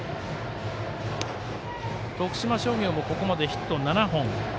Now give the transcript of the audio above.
徳島商業もここまでヒット７本。